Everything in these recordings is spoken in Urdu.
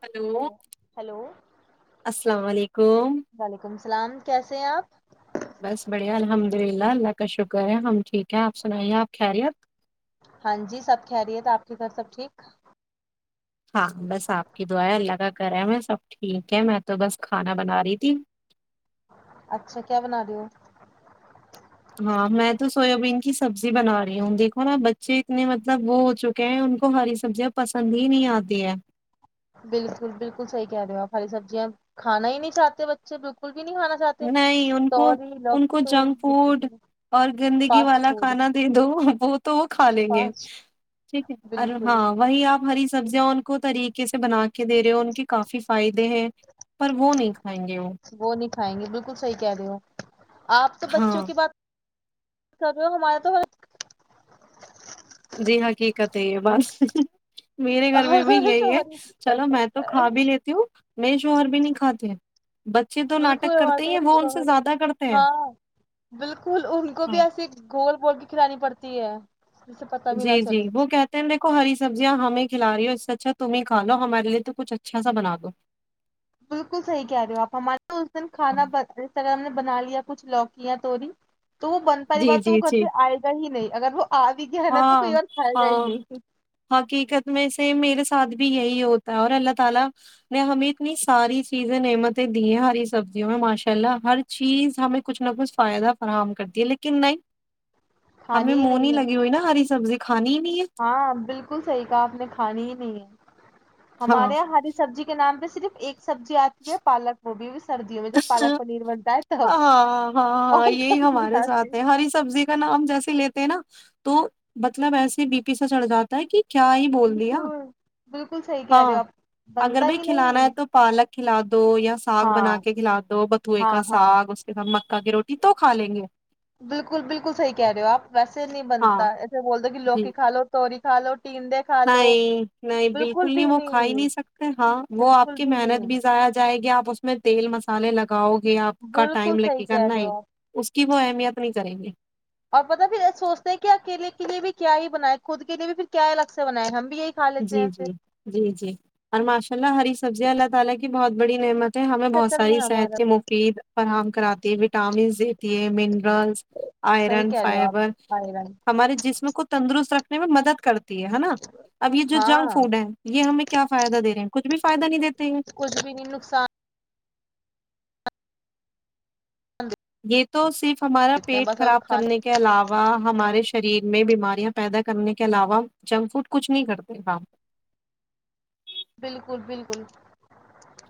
ہلو السلام علیکم سلام کیسے ہیں آپ بس بڑھیا الحمد للہ اللہ کا شکر ہے ہم ٹھیک ہیں آپ سنائیے آپ خیریت ہاں جی سب کہہ رہی ہے تھا آپ کے گھر سب ٹھیک ہاں بس آپ کی دعائیں اللہ کا کرا میں سب ٹھیک ہے میں تو بس کھانا بنا رہی تھی اچھا کیا بنا رہی ہو ہاں میں تو سویابین کی سبزی بنا رہی ہوں دیکھو نا بچے اتنے مطلب وہ ہو چکے ہیں ان کو ہری سبزیاں پسند ہی نہیں آتی ہے بالکل بالکل صحی کہہ رہے ہو آپ ہری سبزیاں کانا ہی نہیں چاہتے بچے بالکل بھی نہیں کھانا چاہتے نہیں ان کو توری ان لوکی کو تو جنک فوڈ اور گندگی فاسٹ والا فوڈ کھانا دے دو وہ تو وہ کھا لیں گے فاسٹ ٹھیک ہے اور بالکل ہاں وہی آپ ہری سبزیاں ان کو طریقے سے بنا کے دے رہے ہو ان کے کافی فائدے ہیں پر وہ نہیں کھائیں گے وہ ھائیں گے بالکل صحیح کہہ رہے ہو آپ تو بچوں ہاں کی بات ہمارا تو ہر جی ہاں حقیقت ہے یہ بس میرے گھر میں بھی ہمارے یہی ہے شوہر چلو میں تو ہی- کھا بھی لیتی ہوں میں جووہر بھی نہیں کھاتے ہیں بچے تو ناٹک کرتے بالکلات ہی ہیں وہ ان سے شوہر زیادہ کرتے ہیں ہاں بالکل ان کو بھی ہاں ایسے گول بول کے کھلانی پڑتی ہے جسے پتا بھی نہ جی جی چلے وہ کہتے ہیں دیکھو ہری سبزیاں ہمیں کھلا رہی ہو اس سے اچھا تمہیں کھاو ہمارے لیے تو کچھ اچھا سا بنا دو بالکل صحیح کہہ رہے ہو آپ ہمارے تو اس دن کھانا ہاں، اس طرح ہم نے بنا لیا کچھ لوکیاں توی تو وہ بن پی جی بات تو وہ جی گھر جی پ آئے گا ہی نہیں اگر وہ آ بھی گیا ہے نا تو ہاں کوئی اور کھائے گا ہی ہاں نہیں حقیقت میں سے میرے سادھھی [inaudible] کھانی ہی نہیں ہے ساری سبزی کھانی ہی نہیں ہے ہاں بالکل صحیح کہا آپ نے کھانی ہی نہیں ہے ہاں ہمارے یہاں ہری سبزی کے نام پہ صرف ایک سبزی آتی ہے پالک وہ بھی اس ہاں ہاں ہاں اور یہی کبھی نہیں ہمارے آتی ساتھ ہے ہری سبزی کا نام جیسے لیتے ہیں نا تو مطلب ایسے بی پی س چڑھ جاتا ہے کہ کیا ہی بول دیا بالکل بالکل صحیح کہہ رہے ہو ہاں آپ اگر بنتا میں ہی کھلانا نہیں ہے تو پالک کھلا دو یا ساگ بنا ہاں کے کھلا دو بتوئے ہاں کا ہاں ساگ اس کے ساتھ مکا کی روٹی ت تو کھا لیں گے بالکل بالکل صحیح کہہ رہے ہو آپ ویسے نہیں ہاں بنتا ایسے بول دو ہو کہ جی لوکی کا لو توی سالو نہیں نہیں بالکل نہیں وہ کھا ہی نہیں سکتے ہاں وہ آپ بالکل کی نہیں محنت بھی ضائیا جائے گی آپ اس میں تیل مسالے لگ لگاؤ گے آپ کا بالکل ٹائم صحیح لگے گا کہہ ن رہے ہو آپ اس کی وہ اہمیت نہیں جی گے اور پت پھر سوچتے ہیں کہ اکیلے کے لیے بھی کیا ہی بنائے خود کے لیے بھی پھر کیا الگ سے بنیں ہم بھی یہی کھا لیتے جی ہیں جی پھر جی جی اور معاش اللہ ہری سبزی ا اللہ تعالی کی بہت بڑی نعمت ہمیں بہت چکر میں ساری صحت ہمارا کے مفید فراہم کراتی ہے وٹامنس دیتی ہے م صحیح آئرن کہہ رہے ہو فائبر آپ آئرن ہمارے جسم کو تندرست نہیں وہ مدد کرتی ہے ہے نا اب یہ جو جنک ہاں فوڈ ہے یہ ہمیں کیا فائدہ دے رہے ہیں کچھ بھی فائد نہیں دتا کچھ بھی نہیں نقصان یہ تو صرف ہمارا دیتے ہیں پیٹ بس اب خراب کھانا کرنے کے علاوہ ہمارے شریر میں بیماریاں پیدا کرنے کے علاوہ جنک فوڈ کچھ نہیں کرتے ہ بالکل بالکل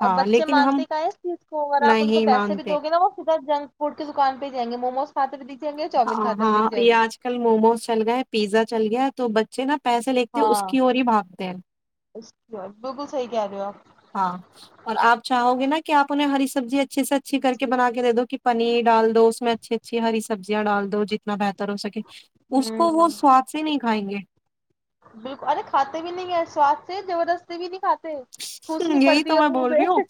اور ہاں بچے لیکن ہم مانتے کا ہے چیز کو اگر آپ ان کو نہیں پیسے بھی مانتے دو گے نا وہ سیدھا جنک فوڈ کی دکان پہ ہی جائ گ مووموس فاتر بھی [unintelligible] ہاں ہاں یہ آج کل موموز چل گئے پیزا چل گیا تو بچے ن پیسے لتے اس کی اور ہی بھاگتے ہیں ج بالکل صحی کہہ رہے ہو آپ ہاں اور آپ چاہو گے نا کہ آپ انہیں ہری سبزی اچھیے سے اچھی کر کے بنا کے دے دو کہ پنیر ڈال دو اس میں اچھی اچھی ہری سبزیاں ڈال دو جتنا بہتر طر ہو سکے اس کو وہ ہوں سواد سے نہیں کھائیں گے بالکل ارے کھاتے بھی نہیں ہیں سوااد سے زبردستی بھی نہیں کاتے یہی تو میں بول رہی ہوں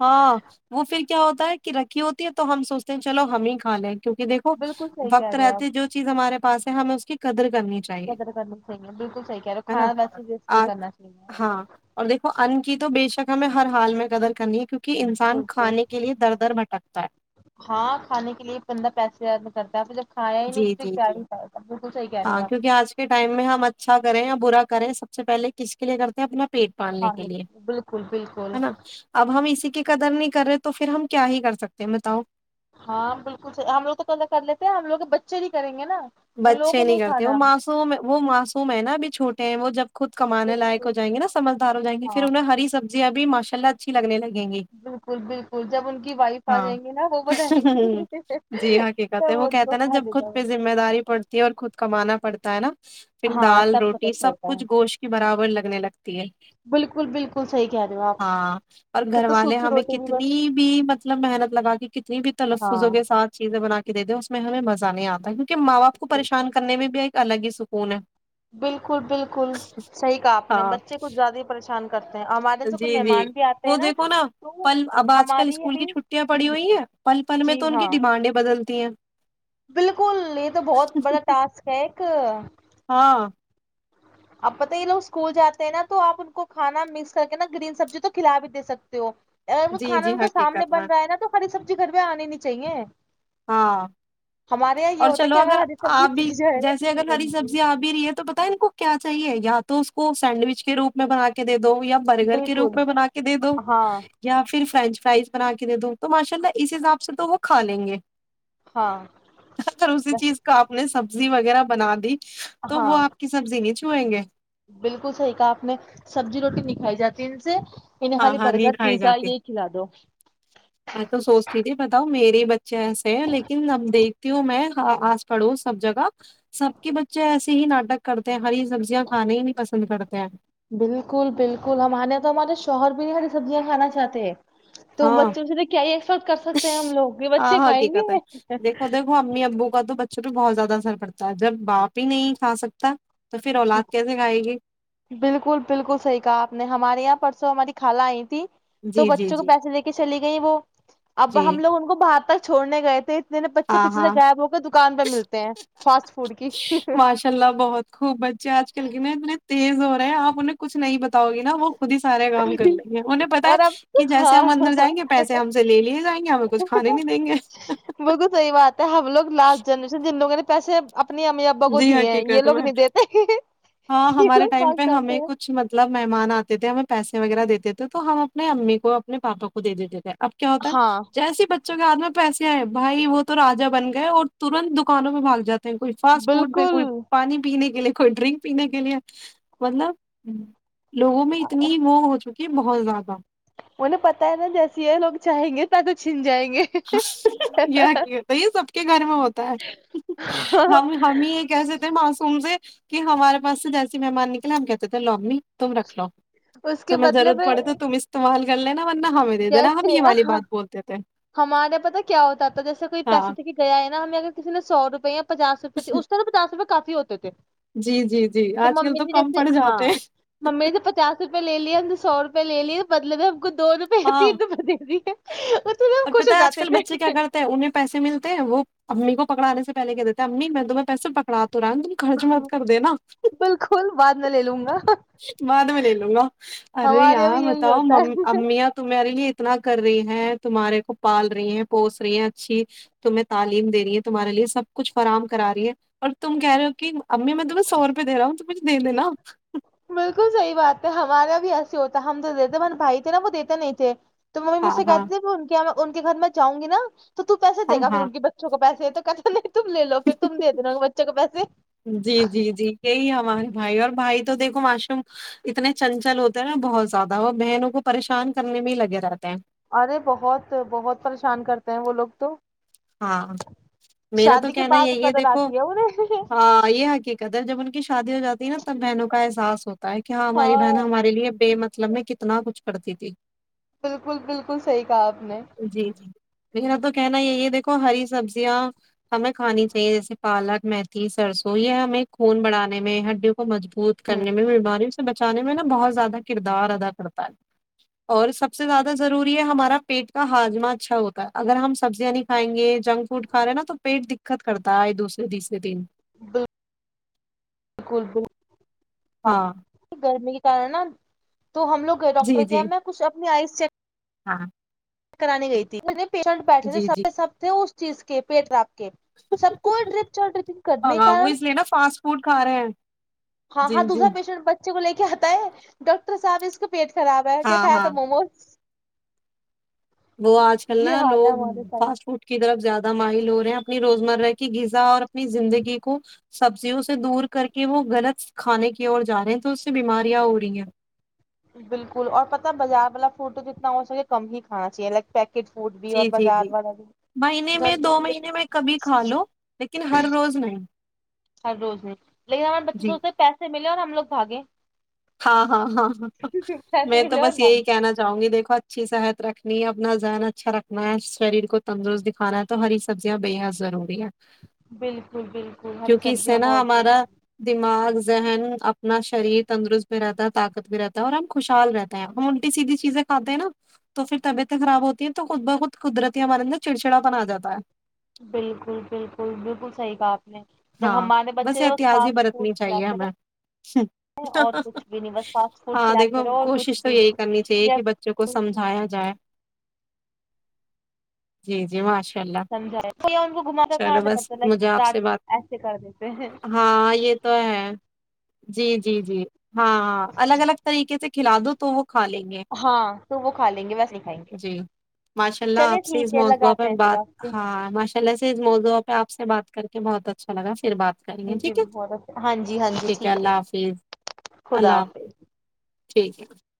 ہاں وہ پھر کیا ہوتا ہے کی رکھی ہوتی ہے تو ہم سوچتے ہیں چلو ہم ہی کا لیں گے کیونکہ دیکھو بالکل صحیح کہہ وقت رہے ہو آپ رہتے جو چیز ہمارے پاس ہم اس کی قدر کرنی چاہیے قدر کرنی چاہیے بالکل صحیح کہرو ہے نا کھانا ویسے وس نہیں کرنا چاہیے انن کی تو بے شک ہمیں ہر حال میں قدر کرنی ہے کیونکہ انسان بالکل کھانے کے لیے در در بھٹکتا ہے ہاں کھانے کے لیے بندہ پیسے زیادہ کرتا پ [unintelligible] جی جی جی کہہ رہے ہو ہاں آپ کیونکہ آج کے ٹائم میں ہم اچھا کریں برا کرے سب سے پہلے کس کے لیے کرتے ہیں اپنا پیٹ پالنے کے کھانے لیے بالکل بالکل ہے نا اب ہم اسی کے قدر نہیں کر رہے تو پھر ہم کیا ہی کر سکتے ہیں بتاؤ ہاں بالکل ہم لوگ تو پا کر لیتے ہیں ہم لوگ بچے ہی کریں گے نا ان لوگوں بچے کو نہیں کرتے وہ کھانا معسوم وہ معصوم ہے ناب چھوٹے ہیں وہ جب خود کمانے لائق بالکل ہو جائیں گے نا سجھدار ہو جائیں گے پھر ہاں انہیں ہری سبزی اب ماشءلہ اچھی لگنےگی بالکل بالکل جب ان کی وائف آ ہاں جائیں گی نا وہ بتائیں گی جی حقیقت تب ہے وہ ان کہتا کو ہے نا کھا جب خود دیتا پہ ذمہ داری اور پڑتی [inaudible] کمانا پڑتا ہے نا پھر ہاں دال تب پتہ روٹی سب چلتا ہے کچھ گوشت کی برابر لگنے لگتی ہے بالکل بالکل صحیح کہہ رہے ہو آپ ہاں اور پھر گھر تو والے سوکھی ہمیں روٹی بھی بس کتنی بھی مطلب محنت لگا کے کتنی بھی ہاں تلفظوں کے ساتھ چیزیں بنا دے دیں اس میں ہمیں مزہ نہیں اتا کیونکہ کو پریشان کرنے میں بھی آ الگ ہی سکون ہے بالکل بالکل صحیح کہا آپ نے ہاں بچے کچھ زیادہ پریش کرتے ہیں ہمارے سے کوئی جی جی مہمان بھی آتے وہ ہیں نا دیکھو تو پل اب آج کل ہماری یہ اسکول کی بھی چھٹیاں پڑی ہوئی ہیں پل پل میں جی تو ان کی ہاں ڈیمانڈیں بدلتی ہیں بالکل یہ تو بہت بڑا ٹاسک ہے ایک ہاں اب پت یہوگ اسکول جاتے ہیں نا تو آپ ان کو کھانا مکس کر کے نا گرین سبزی تو کھلا بھی دے سکتے ہو اگر جی کھانا جی ان کا سامنے حقیقت میں بن رہا ہے نا تو ہری سبزی گھر میں آنے نہیں چاہیے ہاں ہمارے یہاں یہ اور ہوتا ہے چلو کہ اگر ہری آ سبزی بھی دکھ جائے گا تو جیسے نہیں اگر ہری بنتی سبزی آ بھی ہی رہی ہے تو پت ان کو کیا چاہیے یا تو اس کو سینڈوچ کے روپ میں بنا کے د دو یا برگر کے روپ بالکل میں بنا کے دے دو ہاں یا پھر فرینچ فرائز بنا کے دے دوں تو ماشاء اللہ اس حساب سے تو وہ کھا لیں گے ہاں اور اسی چیز بس کا آپ نے سبزی وغیرہ وغیرہ بنا دی تو ہاں وہ آپ کی سبزی نچ چوئیں گے بالکل صحیح کہا آپ نے سبزی روٹی نکھائی جاتی ان سے انہیں ہاں خالی ہاں نہیں برگر کھائی پیزا جاتے یہی کھلا دو میں تو سوچتی تھی بتاؤ میرے ب اچ ایسے ہے لیکن اب دیکھتی ہوں میں آس پڑوس سب جگہ سب کے بچے ایسے ہی ناٹک کرتے ہیں ہری سبزیا کھانانی ہی نہیں پسند کرتا ا بالکل بالکل ہم آے تو ہمارے شوہر بھی نہیں سبزیاں کھانا چاہتے ہیں تو ہاں بچوں سے تو کیا ہی ایکسپیکٹ کر سکتے ہیں ہم لوگ یہ بچے ہاں کھائیں گے حقیقت ہے دیکھو دیکھو امی ابو کا بچوں تو بہت زیادہ اثر پڑتا ہے جب باپ ہی نہیں کھا سکتا تو پھر اولاد کیسے کھائے گی بالکل بالکل صحیح کہا آپ نے ہمارے یہاں پر سو ہماری خالہ آئی تھی تو جی جی بچوں کو جی پیسے دے کے چلے گ گ وہ اب جی ہم لگ ان کو بہ تر چھڑنے گئے تھے میرنے بچے ہاں پیچھے سے ہاں غائب ہو کے دکان پہ ملتے ہیں فاسٹ فوڈ کی ماشاء اللہ بہت بچے آج کل کے ن اتنے تیز ہو رہے ہیں آپ انہیں کچھ نہیں بتاؤ گے نا وہ خود ہی سارا کام کر لیں گے انہیں پتا ہے اور اب کہ جیسے ہاں ہم اندر جائیں گے پیسے ہم سے لے لیے جائیں گے ہمیں کچھ کھانے بھی دیں گے سئیات تو ہم لو لاسٹ جنریشن جن لوگوں نے پیسے اپنی امی ابا کو جی دیے ہیں یہ حقیقت لوگ میں نہیں دیتے ہاں یہ ہمارے لوگ ٹائم بھاگ پہ ہمیں جاتے ہیں کچھ مطلب مہمان آتے تھے ہمیں پیسے وغیرہ دیتے تھے تو ہم اپنے امی کو اپنے پاپا کو دے دیتے تھے اب کیا ہوتا ہے ہاں جیسی بچ کے ہاتھ میں پیسے آئے بھائی وہ تو را بن گئے اور ترنت دکانوں میں باگ جاتا کو فاسٹ پہ بالکل کوئی پانی بھی پینے کے لیے کوئی ڈرنک پینے کے لیے مطلب ہ لووں میں اتنی مو ہو چکی کہ بہت زیادہ انہیں پت ہے نا جیسے یہ لوگ چاہیں گے پد چھین جائیں گے یہ کی ہوتا یہ سب کے گھر میں ہوتا ہے ہم ہم ہی یہ کہس تھے مسوم سے کہ ہمارے پاس سے جیسے مہمان نکلے ہم کہتے تھے لنی تم رکھ لو اس کے تمہیں بدلے ضرورت میں پڑے تو تم استعمال گل ہے ورہ ہمیں دے دینا ہم جیسے یہ والی ہاں بات بولتے تھے ہمارے پتہ کیا ہوتا تھا جیسے کوئی پیسے ہاں دے کے گیا ہے نا ہمیں اگر کسی نے سو روپیا پچس روپئے اس سے تو پچ رپ کافی ہو چچچ جی جی جی آج کل تو کم پڑ جاتے ہیں روپئےے لیا سو روپئے ل لیے بدلب میں ہم کو دو پ ت ہاں ادم دے دی ہے ہ اور پتا آج کل بچے کیا کرتے ہیں انہیں پیسے ملتے ہیں وہ امی کو پکڑے سے پہے کہ دیتے ہیں امی میں دم میں پسے پکڑاتا توورن تم خرچ مت کر دینا بالکل بعد میں لے لوں گا بعد میں لے لوں گا ارے ہمارے یہاں یار بھی یہی بتاؤ ہوتا ہے امییاں تمہارے لیے کتنا کر رہی ہیں تمہارے کو پال رہی ہیں پوس رہی ہیں اچھی تمہیں تعلیم دے رہی ہے تمہارے لیے سب کچھ فراہم کرا رہی ہے اور تم کہہ رہے ہو کہ امی میں تم سوپ دےا ہوں تو مھے دینا [inaudible] بالکل صحی بات ہے ہمارا بھی ایسے ہوتا ہے ہم تو دیتے ہمے بھائی تھے نا وہ دیتے نہیں تھے تو ممیی مھ ہاں سے ہاں کہتےے فون کیا ان کے گھر میں چاہؤں گی نا تو پیسے ہاں دیگا پھر ہاں انن بچوں کو پسے [unintelligible] جی جی جی یہی ہمارے بھائی اور بھائی تو دیکھو معشروم اتنے چنچل ہوتے ہیں نا بہت زیادہ اور بہنوں کو پریشان کرنے میں ہی لگے رہتے ہیں ارے بہت بہت پریشان کرتے ہیں وہ لوگ تو ہاں میرا تو شادی کے کہنا بعد یہ یہ قدر دیکھو آتی ہے انہیں یہ حقیقت ہے جب ان کی شادی ہو جاتی نا تب بہنوں کا احس ہوتا ہوتا ہے کہ ہاں ہماری بہن ہمارے م مطلب میں کتنا کچھ کرتی تھی بالکل بالکل صحیح کہا آپ نے جی جی میرا تو کہنا ہی ہے یہ دیکھ کو ہری سبزیاں ہمیں کھانی چاہیے جیسے پالک میتھی سرسو یہ ہمیں خون بڑانے میں ہڈی وہ مجبوط کرنے میں ماری بچانے میں نا بہت زیادہ کردار ادا کرتا ہے اور سب سے زیادہ ضروری ہے ہمارا پیٹ کا ہاجمہ اچھا ہوتا ہے اگر ہم سبزی یعنی کھائیں گے جنک فوڈ کھا رہے نا تو پیٹ دقت کرتا ہے دوسرے تیسرے دن بالل بالکل بالکل ہاں گرمی کرنا تو ہم لو ڈاکٹر جی کیا جی میں کچھ اپنی آئی [inaudible] ہاں کرانی گئی تھی پیشنٹ بیٹھے تھے سب سب تھے چیز کے پیٹ راب کے سب کو ڈرپ چل ڈرپنگ کرنے کے ہاںاں وہ کارن اس لیے نا فاسٹ فوڈ کھا رہے ہیں ہاں جی ہاں جی دوسرایشنٹ بچے کو لے کے کیاتا ہے ڈاکٹر صاحب اس کو پیٹ خراب ہے کیا ہاں کھایا تھا ہاں مووموز وہ آج کل نا یہ حال ہے لوگ ہمارے فاسٹ سائڈ فوڈ کی طرف زیادہ ماہل ہو رہے ہیں اپنی روزمرہ کی غذا اور اپنی زندگی کو سبزیوں سے دور کر کے وہ غلط کھانے کی اور جا رہے ہیں تو اس سے بیماریاں ہو رہی ہیں بالکل اور پت بازار والا فوڈ تو جتنا ہو سکے کم ہی کھانا چاہیے لائک پیک جی جی جی مہینے میں دو گھر مہینے میں کبھی کھا لو لیکن ہر روز نہیں ہر روز نہیں لیکن ہمار بچے جی سوچتے پیسے ملے اور ہم لوگ بھاگے [inaudible] ہاں ہاں ہاں ہاں پیسے میں تو ملے اور بس یہی بھاگے کہنا چاہوں گی دیکھو اچھی صحت رکھے [inaudible] نہیں اپنا ذہن اچھا رکھنا ہے شریر کو تندرست دکھانا ہے تو ہری سبزیاں بےحد ضروری ہے بالکل بالکل ہری کیونکہ اس سے سبزیاں نا بہت ب ہمارا دماغ ذہن اپنا شریر تندرست رہتا ہے طاقت بھی رہتا ہے اور ہم خوشحال رہتے ہیں ہم الٹی سیدھی چیزیں کھاتے ہیں نا تو پھر طبیعتیں خراب ہوتی ہیں تو خود بخود قدرتی ہمارے اندر چڑچڑا پن آ جاتا ہے [inaudible] بالکل بالکل بالکل صحیح کا آپ نے جب ہاں ہمارے بس بچے تو احتیاز ہی فاسٹ فوڈ برتنی چاہیے کھلاتے ہمیں رہے اور کچھ بھی نہیں بس فاسٹ فوڈ ہاں کھلاتے دیکھو رہو اور کچھ کوشش تو بھی یہی نہیں کرنی چاہیے یا کہ بچوں کو سمجھایا جائے [inaudible] جی جی میںش [inaudible] سمجھا تویا ان کو گھماتا کھماتے بس مجھے آپ رہ سے بات ل رات کر دیتے ہیں ہاں یہ تو ہے [inaudible] جی جی جی ہاں ہاں الگ الگ طریقے سے کھلا دو تو وہ کھا لیں گے ہاں تو وہ کھا لیں گے ویسے نہیں کھائیں گے جی ماشاء اللہ چلے آپ سے ٹھیک اس ہے موضوع پہ لگاتے ہیں پھر آپ کے بات ہاں ماشاء اللہ سے اس موضوع پہ آپ [inaudible] سے بات کر بہت اچھا [inaudible] چلگا [inaudible] پھر بات کریں گے مجھے ٹھیک ہے بھی بہت اچھا ہاں جی ہاں جی ٹھیک ہے اللہ حافظ اللہ حافظ [inaudible] ٹھیک ہے [inaudible]